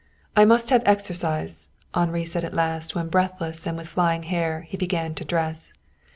"I must have exercise," Henri said at last when, breathless and with flying hair, he began to dress.